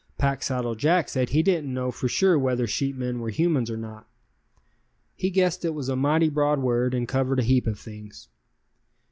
Packsaddle Jack said he didn't know for sure whether sheepmen were humans or not. He guessed it was a mighty broad word and covered a heap of things.